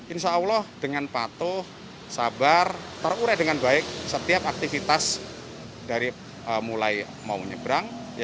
insya allah dengan patuh sabar terurai dengan baik setiap aktivitas dari mulai mau nyebrang